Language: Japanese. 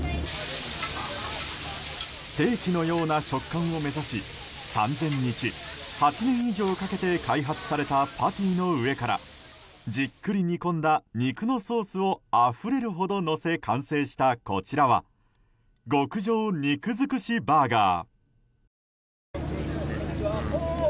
ステーキのような食感を目指し３０００日８年以上かけて開発されたパティの上からじっくり煮込んだ肉のソースをあふれるほどのせ完成したこちらは極上肉づくしバーガー。